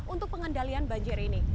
untuk pengendalian banjir ini